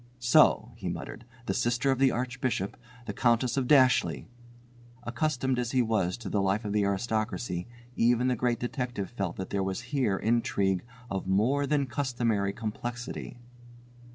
"So," he muttered, "the sister of the Archbishop, the Countess of Dashleigh!" Accustomed as he was to the life of the aristocracy, even the Great Detective felt that there was here intrigue of more than customary complexity.